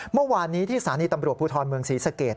เมื่อวานนี้ที่สถานีตำรวจภูทรเมืองศรีสเกต